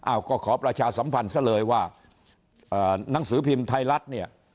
ก็ขอประชาสัมพันธ์ซะเลยว่าหนังสือพิมพ์ไทยรัฐเนี่ย